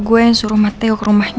gue berangkat sekarang